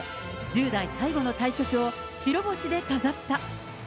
１０代最後の対局を白星で飾った。